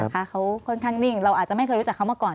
คะเขาค่อนข้างนิ่งเราอาจจะไม่เคยรู้จักเขามาก่อน